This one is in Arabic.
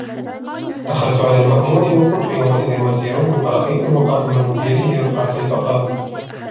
دَخَلْت عَلَى الْمَأْمُونِ وَكُنْت يَوْمَئِذٍ وَزِيرَهُ فَرَأَيْته قَائِمًا وَبِيَدِهِ رُقْعَةٌ فَقَالَ